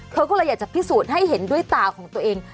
เธอก็เลยอยากจะพิสูจน์ให้เห็นด้วยตาของตัวเอง